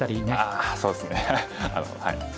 ああそうですねはい。